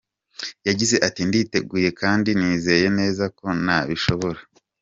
Yagize Ati “Nditeguye kandi nizeye neza ko nabishobora.